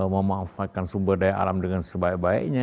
memanfaatkan sumber daya alam dengan sebaik baiknya